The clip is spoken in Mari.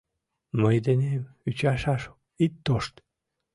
Мый денем ӱчашаш ит тошт.